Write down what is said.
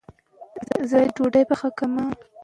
مېندواري د ښځې طبیعي حالت دی.